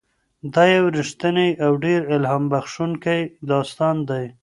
دا یو رښتینی او ډېر الهام بښونکی داستان دی.